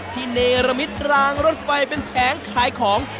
เนรมิตรางรถไฟเป็นแผงขายของ